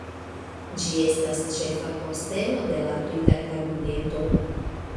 Ĝi estas ĉefa posteno de la Brita Kabineto.